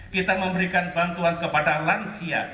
kita memberikan bantuan kepada lansia